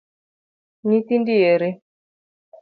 Nyithindi ere?